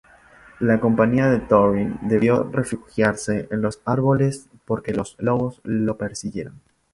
La compañía de Thorin debió refugiarse en los árboles, porque los lobos los persiguieron.